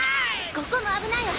ここも危ないわ。